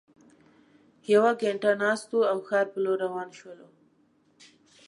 یوه ګینټه ناست وو او ښار په لور روان شولو.